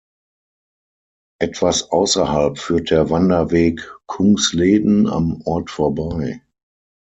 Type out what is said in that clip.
Etwas außerhalb führt der Wanderweg Kungsleden am Ort vorbei.